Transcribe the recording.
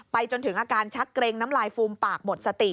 จนถึงอาการชักเกร็งน้ำลายฟูมปากหมดสติ